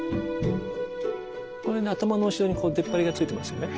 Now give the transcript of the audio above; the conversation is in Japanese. これね頭の後ろに出っ張りがついてますよね。